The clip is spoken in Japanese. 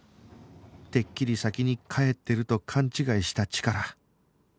てっきり先に帰ってると勘違いしたチカラ